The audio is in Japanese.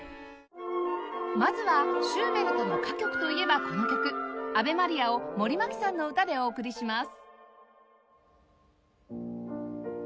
まずはシューベルトの歌曲といえばこの曲『アヴェ・マリア』を森麻季さんの歌でお送りします